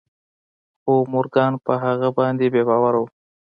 خو مورګان په هغه باندې بې باوره و